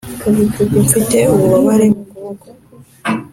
mfite ububabare mu kuboko.